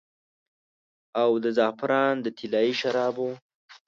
او د زعفران د طلايي شرابو